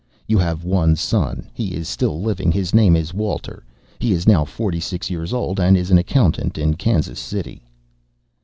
You have one son. He is still living; his name is Walter; he is now forty six years old and is an accountant in Kansas City."